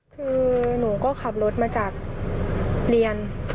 คือหนูก็ขับรถมาจากเรียน